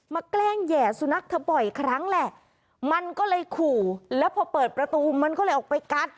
แกล้งแห่สุนัขเธอบ่อยครั้งแหละมันก็เลยขู่แล้วพอเปิดประตูมันก็เลยออกไปกัด